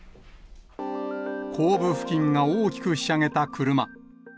後部付近が大きくひしゃげた車。